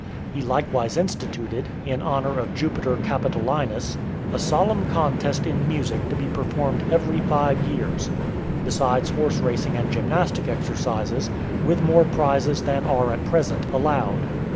He likewise instituted, in honour of Jupiter Capitolinus, a solemn contest in music to be performed every five years; besides horse racing and gymnastic exercises, with more prizes than are at present allowed.